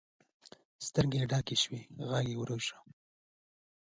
سترګې یې ډکې شوې، غږ یې ورو شو.